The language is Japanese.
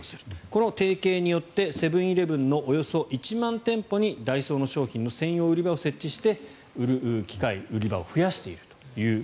この提携によってセブン−イレブンのおよそ１万店舗にダイソーの商品の専用売り場を設置して売る機会売り場を増やしている。